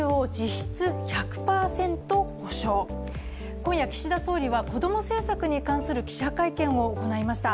今夜岸田総理はこども政策に関する記者会見を行いました。